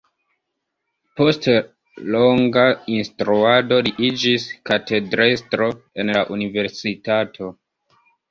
Post longa instruado li iĝis katedrestro en la universitato.